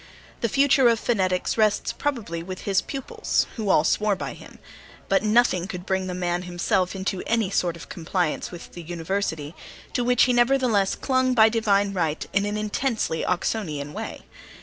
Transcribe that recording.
The future of phonetics rests probably with his pupils, who all swore by him; but nothing could bring the man himself into any sort of compliance with the university, to which he nevertheless clung by divine right in an intensely Oxonian way.